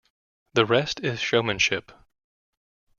The rest is showmanship.